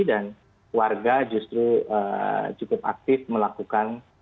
dan warga justru cukup aktif melakukan